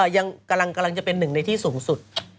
ยังกำลังจะเป็นหนึ่งในที่สูงสุด